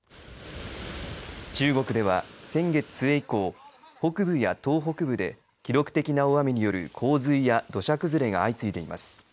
中国では先月末以降北部や東北部で記録的な大雨による洪水や土砂崩れが相次いでいます。